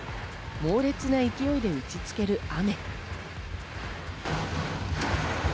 猛烈な勢いで打ちつける雨。